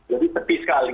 jadi sepi sekali